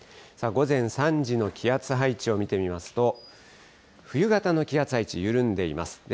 午前３時の気圧配置を見てみますと、冬型の気圧配置、緩んでいます。